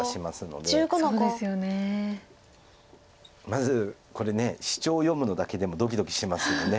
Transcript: まずこれシチョウを読むのだけでもドキドキしますよね。